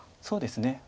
そうですね。